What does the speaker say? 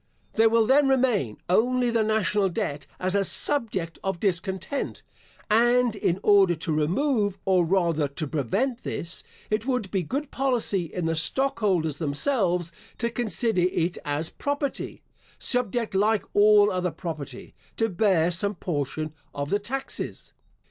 There will then remain only the national debt as a subject of discontent; and in order to remove, or rather to prevent this, it would be good policy in the stockholders themselves to consider it as property, subject like all other property, to bear some portion of the taxes.